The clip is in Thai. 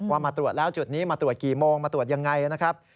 มาตรวจแล้วจุดนี้มาตรวจกี่โมงมาตรวจยังไงนะครับ